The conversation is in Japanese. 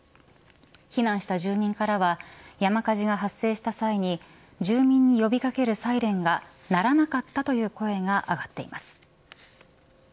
避難した住人からは山火事が発生した際に住民に呼び掛けるサイレンが鳴らなかったという声が上がっています。